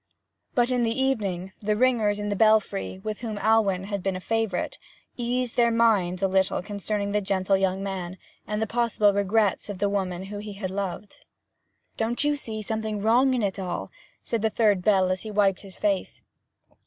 But in the evening, the ringers in the belfry, with whom Alwyn had been a favourite, eased their minds a little concerning the gentle young man, and the possible regrets of the woman he had loved. 'Don't you see something wrong in it all?' said the third bell as he wiped his face.